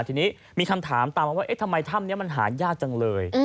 ทีนี้มีคำถามตามมาว่าเอ๊ะทำไมถ้ำนี้มันหายากจังเลย